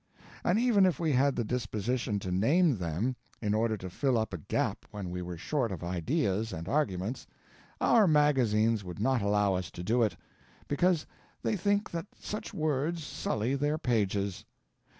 And even if we had the disposition to name them, in order to fill up a gap when we were short of ideas and arguments, our magazines would not allow us to do it, because they think that such words sully their pages.